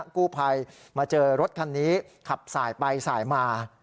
กู้ภัยมาเจอรถคันนี้ขับสายไปสายมา